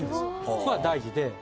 ここが大事で。